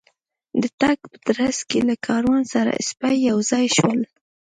د تګ په ترڅ کې له کاروان سره سپي یو ځای شول.